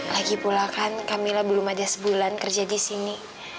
lagi pula kan kamila belum ada sebulan kerja disini